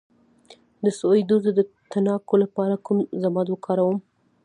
د سوځیدو د تڼاکو لپاره کوم ضماد وکاروم؟